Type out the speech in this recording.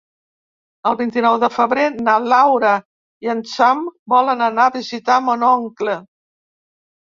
El vint-i-nou de febrer na Laura i en Sam volen anar a visitar mon oncle.